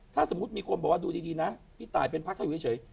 ถ้าสมมุติมีคนบอกว่าดูดีนะพี่ตายเป็นพักถ้าอยู่เฉย